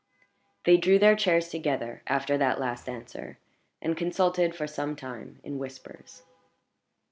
They drew their chairs together after that last answer, and consulted for some time in whispers.